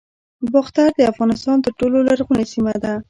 باختر د افغانستان تر ټولو لرغونې سیمه ده